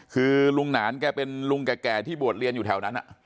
คือลุงหนานแกเป็นลุงแก่ที่บวชเรียนอยู่แถวนั้น